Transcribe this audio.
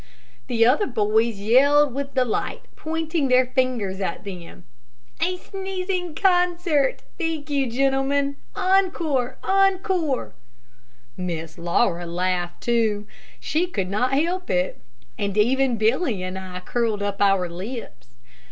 The other boys yelled with delight, and pointed their fingers at them, "A sneezing concert. Thank you, gentlemen. 'Angcore, angcore'!" Miss Laura laughed too, she could not help it, and even Billy and I curled up our lips.